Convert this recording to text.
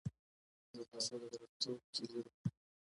ځغاسته د بریالیتوب کلۍ ده